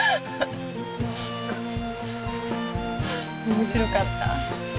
面白かった。